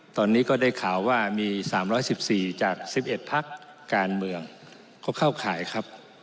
ตอนนี้ก็ได้ข่าวว่ามี๓๑๔จาก๑๑พักการเมืองเขาเข้าข่ายครับ